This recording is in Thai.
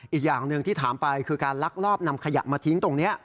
อีกอย่างหนึ่งที่ถามไปคือการลักลอบนำขยะมาทิ้งตรงนี้